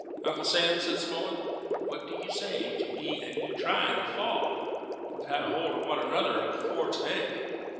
"Uncle Sam," said Smullen, "what do you say to me and you trying a fall; we've had hold of one another afore to day?"